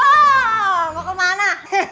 oh mau kemana